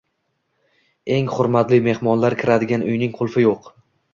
Eng hurmatli mehmonlar kiradigan uyning qulfi yo‘q